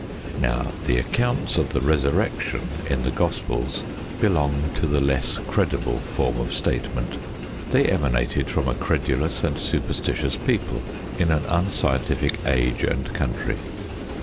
Now, the accounts of the Resurrection in the Gospels belong to the less credible form of statement. They emanated from a credulous and superstitious people in an unscientific age and country.